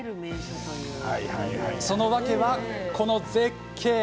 その訳は、この絶景。